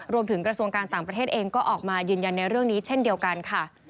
รวมถึงกระทรวงการต่างประเทศเองก็ออกมายืนยันในเรื่องนี้เช่นเดียวกันค่ะ